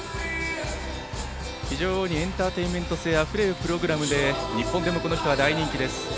非常にエンターテインメント性があふれるプログラムで日本でもこの人は大人気です。